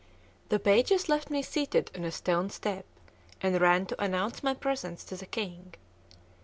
The pages left me seated on a stone step, and ran to announce my presence to the king.